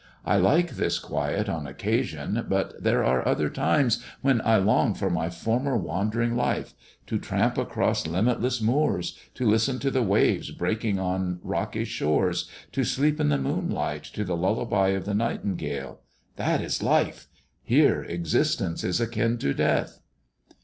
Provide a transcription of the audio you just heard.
I like this quiet on occasions, but there are other times when I long for my former wandering life; to tramp across limitless moors, to listen to the waves breaking on rocky shores, to sleep in the moonlight to the lullaby of the nightingale. That is life — here existence is akin to death."